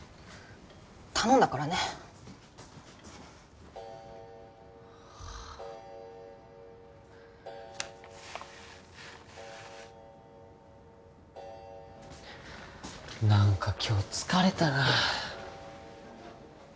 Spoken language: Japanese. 頼んだからねはあ何か今日疲れたな